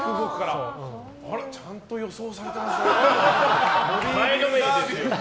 ちゃんと予想されてますね。